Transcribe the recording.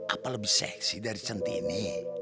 apa lebih seksi dari centini